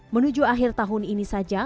menuju akhir tahun ini saja